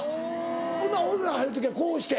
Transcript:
ほなお風呂に入る時はこうして。